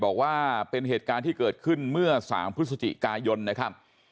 บอกว่าเป็นเหตุการณ์ที่เกิดขึ้นเมื่อ๓พฤศจิกายนนะครับ